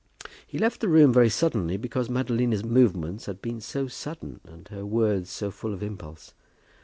He left the room very suddenly because Madalina's movements had been so sudden, and her words so full of impulse.